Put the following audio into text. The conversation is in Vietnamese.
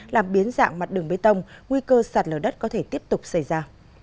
làm biến dạng mặt đường bê tông nguy cơ sạt lở đất có thể tiếp tục xảy ra